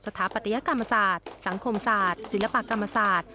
สถาปัตยกรรมศาสตร์สังคมศาสตร์ศิลปกรรมศาสตร์